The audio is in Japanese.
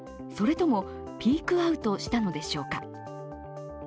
それともピークアウトしたのでしょうか。